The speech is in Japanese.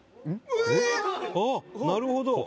あっなるほど。